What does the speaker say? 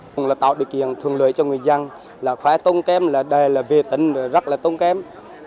cũng là tạo điều kiện thường lưỡi cho người dân là khỏe tôn kém là đầy là về tỉnh rất là tôn kém